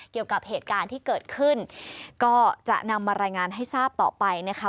เกี่ยวกับเหตุการณ์ที่เกิดขึ้นก็จะนำมารายงานให้ทราบต่อไปนะคะ